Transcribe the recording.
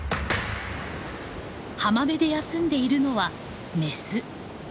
浜辺で休んでいるのはメス。